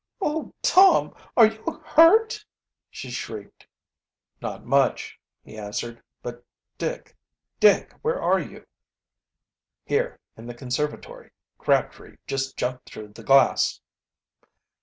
"Oh, Tom, are you hurt?" she shrieked. "Not much," he answered. "But Dick Dick, where are you?" "Here, in the conservatory. Crabtree just jumped through the glass!"